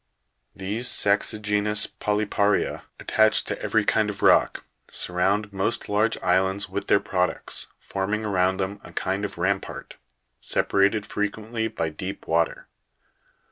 40. These sa'xigenous polypa'ria, attached to every kind of rock, surround most large islands with their products, forming around them a kind of rampart, separated frequently by deep water.